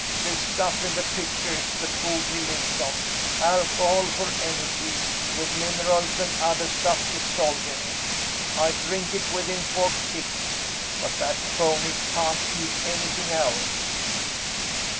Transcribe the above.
This stuff in the pitcher is the food he lives on alcohol for energy, with minerals and other stuff dissolved in it. I drink it with him for kicks, but that phony can't eat anything else."